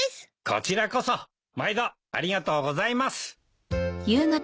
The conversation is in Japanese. こちらこそ毎度ありがとうございます！